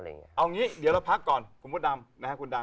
เอางี้เดี๋ยวเราพักก่อนคุณพุดดำ